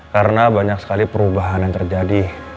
karena banyak sekali perubahan yang terjadi